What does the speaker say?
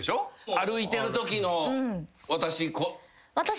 歩いてるときの私。